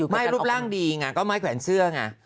รูปร่างดีไงก็ไม่แขวนเสื้อไง